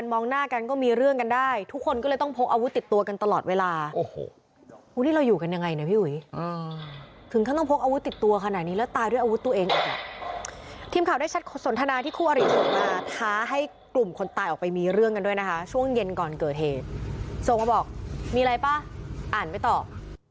มีอะไรเปล่าครับอ่านแต่ไม่ตอบ